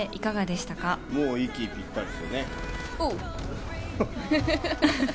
もう息ぴったりです。